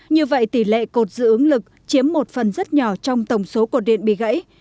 như vậy tỷ lệ cột dự ứng lực chiếm một phần rất nhỏ trong tổng số cột điện bị gãy